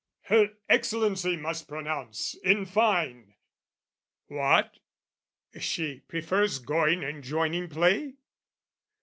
Her Excellency must pronounce, in fine! What, she prefers going and joining play?